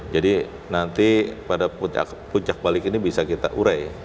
jadi nanti pada puncak balik ini bisa kita urai